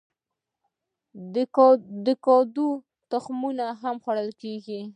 د کدو تخمونه هم خوړل کیږي.